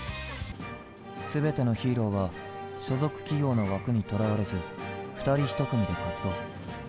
全てのヒーローは所属企業の枠にとらわれず２人１組で活動。